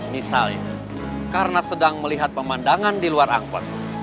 misalnya karena sedang melihat pemandangan di luar angkot